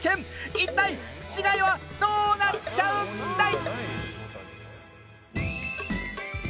いったい違いはどうなっちゃうんだい！